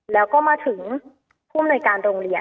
แล้วก็มาถึงผู้บริการโรงเรียน